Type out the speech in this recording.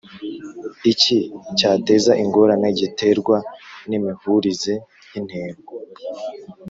Iki cyateza ingorane giterwa n imihurize y intego